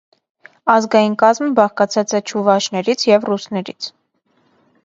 Ազգային կազմը բաղկացած է չուվաշներից և ռուսներից։